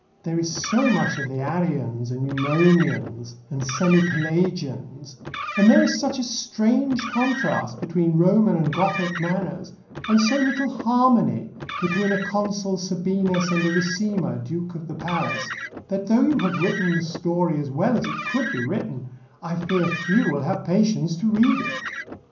There is so much of the Arians and Eumonians, and semi Pelagians; and there is such a strange contrast between Roman and Gothic manners, and so little harmony between a Consul Sabinus and a Ricimer, Duke of the palace, that though you have written the story as well as it could be written, I fear few will have patience to read it."